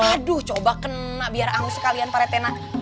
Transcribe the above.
aduh coba kena biar angus sekalian pak rete nak